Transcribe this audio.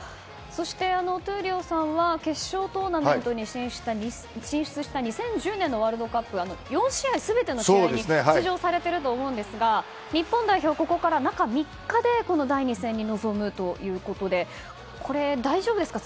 そして、闘莉王さんは決勝トーナメントに進出した２０１０年のワールドカップ４試合全ての試合に出場されていると思うんですが日本代表、ここから中３日で第２戦に臨むということで大丈夫ですか。